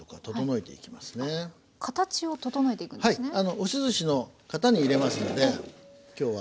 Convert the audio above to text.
押しずしの型に入れますので今日は。